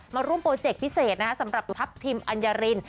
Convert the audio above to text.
มาร่วมโปรเจกต์พิเศษสำหรับทัพทิมอัญญาริน